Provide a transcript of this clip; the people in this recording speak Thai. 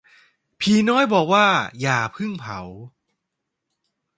ผีน้อยบอกว่าอย่าเพิ่งเผา